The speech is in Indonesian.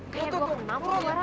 kayak gue ngamuk ya